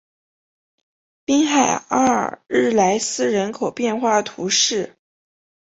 滨海阿尔日莱斯人口变化图示